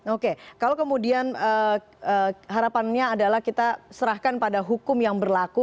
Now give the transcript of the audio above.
oke kalau kemudian harapannya adalah kita serahkan pada hukum yang berlaku